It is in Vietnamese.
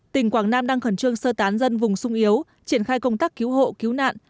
tỉnh quảng nam đang khẩn trương sơ tán dân vùng sung yếu triển khai công tác cứu hộ cứu nạn